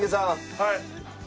はい。